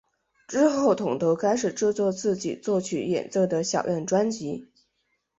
之后桶头开始制作自己作曲演奏的小样专辑。